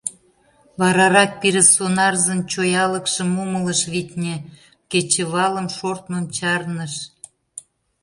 Варарак пире сонарзын чоялыкшым умылыш, витне, — кечывалым «шортмым» чарныш.